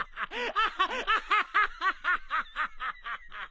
アハハハハハ！